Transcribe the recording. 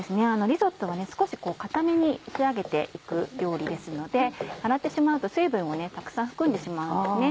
リゾットは少し硬めに仕上げて行く料理ですので洗ってしまうと水分をたくさん含んでしまうんですね。